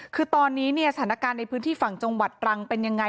คือตอนนี้เนี่ยสถานการณ์ในพื้นที่ฝั่งจังหวัดตรังเป็นยังไง